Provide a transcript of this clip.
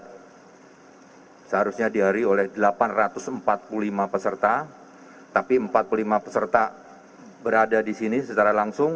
seharusnya dihari oleh delapan ratus empat puluh lima peserta tapi empat puluh lima peserta berada di sini secara langsung